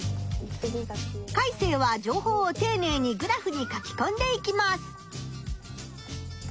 カイセイは情報をていねいにグラフに書きこんでいきます。